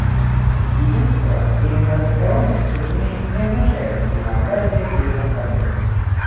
Единство или многосторонность, разумеется, не означают единообразие или конформизм.